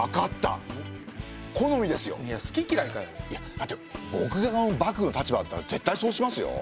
だって僕が幕府の立場だったら絶対そうしますよ。